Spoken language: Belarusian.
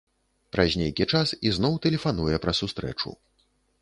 Праз нейкі час ізноў тэлефануе пра сустрэчу.